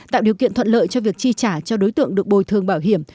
tạo điều kiện thuận lợi cho việc chi trả cho đối tượng được bồi thường bảo hiểm